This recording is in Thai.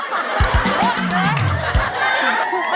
บุกเลย